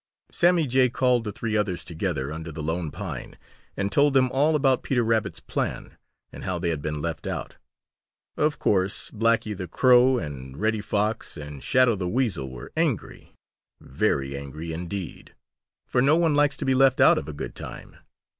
Sammy Jay called the three others together under the Lone Pine and told them all about Peter Rabbit's plan and how they had been left out. Of course Blacky the Crow and Reddy Fox and Shadow the Weasel were angry, very angry indeed, for no one likes to be left out of a good time.